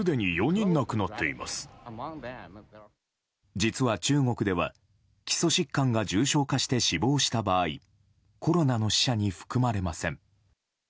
実は中国では基礎疾患が重症化して死亡した場合コロナの死者に含まれません。